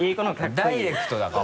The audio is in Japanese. ダイレクトだから。